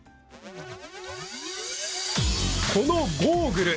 このゴーグル。